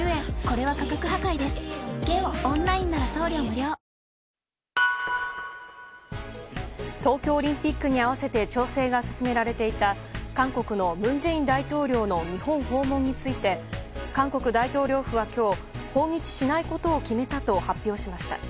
ちなみに組織委員会の担当者によりますと東京オリンピックに合わせて調整が進められていた韓国の文在寅大統領の日本訪問について韓国大統領府は今日訪日しないことを決めたと発表しました。